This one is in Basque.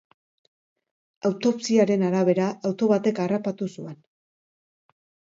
Autopsiaren arabera, auto batek harrapatu zuen.